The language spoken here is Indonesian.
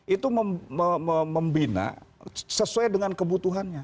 itu membina sesuai dengan kebutuhannya